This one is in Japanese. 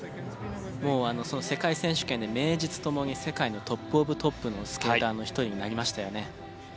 もう世界選手権で名実ともに世界のトップオブトップのスケーターの１人になりましたよね。